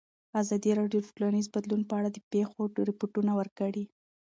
ازادي راډیو د ټولنیز بدلون په اړه د پېښو رپوټونه ورکړي.